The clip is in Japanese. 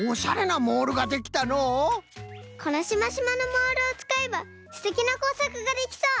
このシマシマのモールをつかえばすてきなこうさくができそう！